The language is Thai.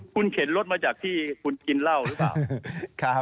คุณเข็นรถมาจากที่คุณกินเหล้าหรือเปล่า